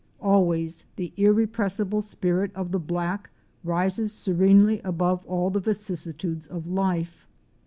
Always the irrepressible spirit of the black rises serenely above all the vicissitudes of life.